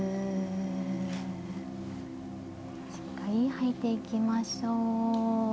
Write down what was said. しっかり吐いていきましょう。